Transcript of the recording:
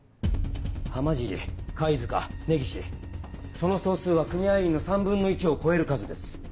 浜尻貝塚根岸その総数は組合員の３分の１を超える数です。